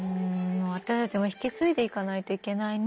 私たちも引き継いでいかないといけないね。